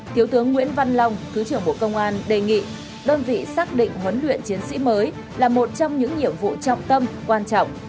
thiếu tướng nguyễn văn long thứ trưởng bộ công an đề nghị đơn vị xác định huấn luyện chiến sĩ mới là một trong những nhiệm vụ trọng tâm quan trọng